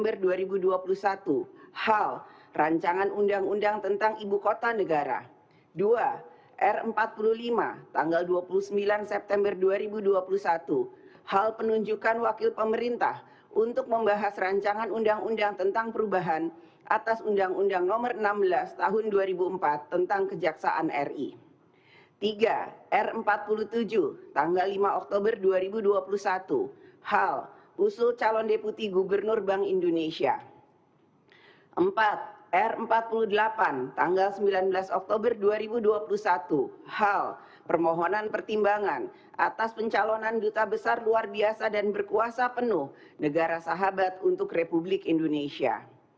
empat r empat puluh delapan tanggal sembilan belas oktober dua ribu dua puluh satu hal permohonan pertimbangan atas pencalonan duta besar luar biasa dan berkuasa penuh negara sahabat untuk republik indonesia